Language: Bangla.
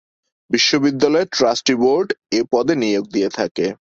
বিশ্ববিদ্যালয়ের ট্রাস্টি বোর্ড এ পদে নিয়োগ দিয়ে থাকে।